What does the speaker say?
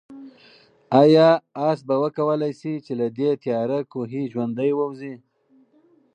آیا آس به وکولای شي چې له دې تیاره کوهي ژوندی ووځي؟